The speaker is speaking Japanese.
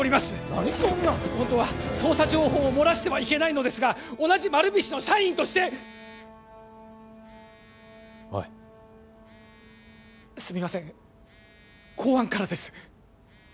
何っそんなホントは捜査情報を漏らしてはいけないのですが同じ丸菱の社員としておいすみません公安からです